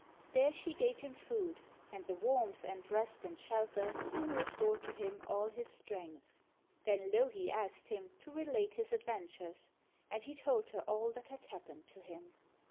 There she gave him food, and the warmth and rest and shelter soon restored to him all his strength. Then Louhi asked him to relate his adventures, and he told her all that had happened to him.